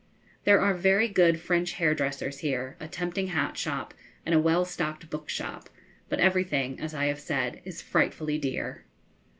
There are very good French hair dressers here, a tempting hat shop, and a well stocked book shop; but everything, as I have said, is frightfully dear.